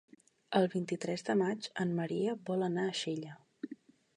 El vint-i-tres de maig en Maria vol anar a Xella.